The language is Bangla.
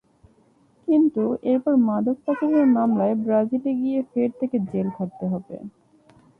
কিন্তু এরপর মাদক পাচারের মামলায় ব্রাজিলে গিয়ে ফের তাঁকে জেল খাটতে হবে।